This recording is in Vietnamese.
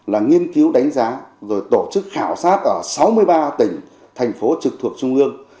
là nghiên cứu đánh giá rồi tổ chức khảo sát ở sáu mươi ba tỉnh thành phố trực thuộc trung ương